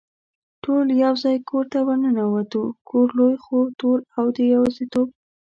ټول یو ځای کور ته ور ننوتو، کور لوی خو تور او د یوازېتوب.